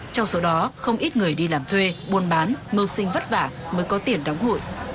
trong số đó không ít người đi làm thuê buôn bán mâu sinh vất vả mới có tiền đóng hụi